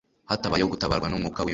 Hatabayeho gutabarwa n'Umwuka w'Imana,